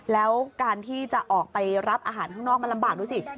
แล้วการที่จะออกไปรับอาหารข้างนอกมันลำบากดูสิ